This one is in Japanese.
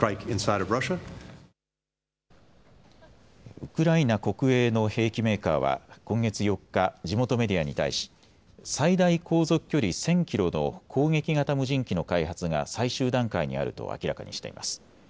ウクライナ国営の兵器メーカーは今月４日、地元メディアに対し最大航続距離１０００キロの攻撃型無人機の開発が最終段階にあると明らかにしています。